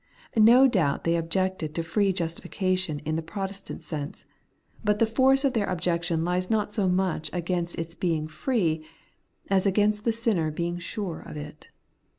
No doubt they objected to free justification in the Protestant sense ; but the force of their objection lies not so much against its being free, as against the sinner being sure of it.